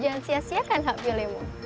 jangan sia siakan hak pilihmu